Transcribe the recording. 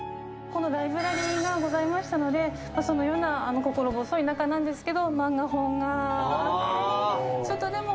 このライブラリーがございましたのでそのような心細い中ですけど漫画本があって。